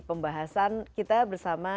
pembahasan kita bersama